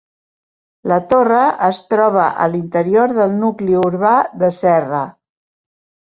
La torre es troba a l'interior del nucli urbà de Serra.